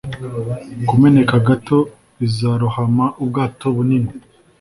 kumeneka gato bizarohama ubwato bunini.